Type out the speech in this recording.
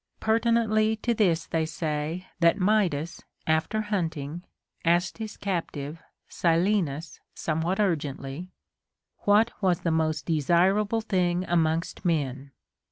Pertinently to this they say that Midas, after hunting, asked his captive Silenus somewhat urgently, what was the most desirable thing amongst men.